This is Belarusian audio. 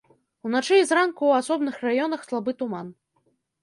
Уначы і зранку ў асобных раёнах слабы туман.